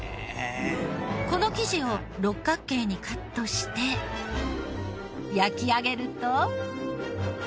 この生地を六角形にカットして焼き上げると。